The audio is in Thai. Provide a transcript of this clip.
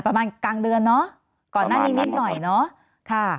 ประมาณกลางเดือนเนอะก่อนหน้านี้นิดหน่อยเนอะค่ะ